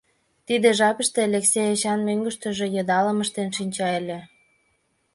Тиде жапыште Элексей Эчан мӧҥгыштыжӧ йыдалым ыштен шинча ыле.